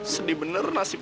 sedih bener nasib gue